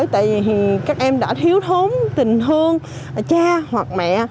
tại vì các em đã thiếu thốn tình hơn cha hoặc mẹ